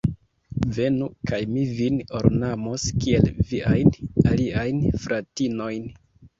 Venu, kaj mi vin ornamos kiel viajn aliajn fratinojn!